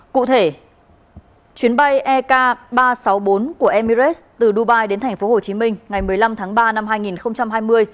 cụ thể chuyến bay ek ba trăm sáu mươi bốn của emirates từ dubai đến tp hcm ngày một mươi năm tháng ba năm hai nghìn hai mươi